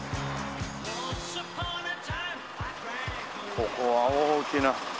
ここは大きな。